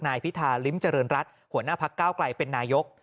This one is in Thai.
นายพิธาลิ้มเจริญรัฐหัวหน้าพักก้าวไกลเป็นนายก